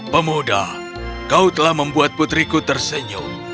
pemuda kau telah membuat putriku tersenyut